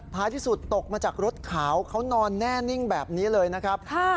ท้ายที่สุดตกมาจากรถขาวเขานอนแน่นิ่งแบบนี้เลยนะครับ